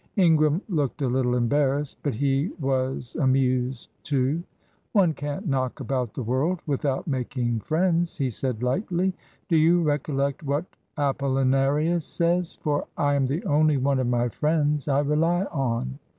Ingram looked a little embarrassed, but he was amused too. "One can't knock about the world without making friends," he said, lightly. "Do you recollect what Apolinarius says: 'for I am the only one of my friends I rely on.'